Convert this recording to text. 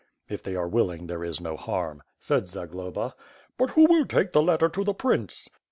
^' (If they are willing there is no harm), said Zagloba. "But who will take the letter to the prince?"